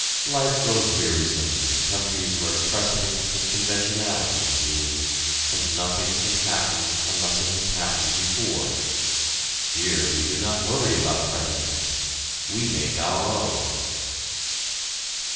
Life grows wearisome in the countries where precedents and conventionalities rule, and nothing can happen unless it has happened before. Here we do not worry about precedents we make our own!